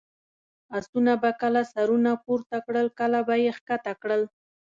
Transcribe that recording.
اسونو به کله سرونه پورته کړل، کله به یې کښته کړل.